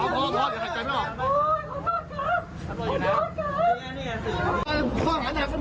โบ๊ทขอบคุณฮะนั่นแหละครับ